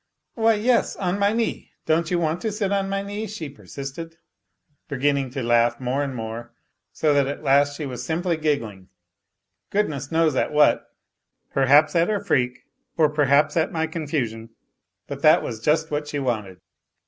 " Why yes, on my knee. Why don't you want to sit on my knee ?" she persisted, beginning to laugh more and more, so that at last she was simply giggling, goodness knows at what, perhaps at her freak, or perhaps at my confusion. But that was just what she wanted.